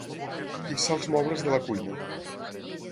Fixar els mobles de la cuina.